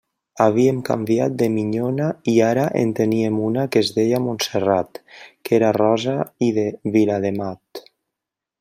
Havíem canviat de minyona i ara en teníem una que es deia Montserrat, que era rossa i de Vilademat.